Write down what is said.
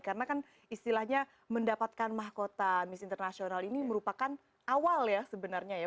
karena kan istilahnya mendapatkan mahkota miss international ini merupakan awal ya sebenarnya ya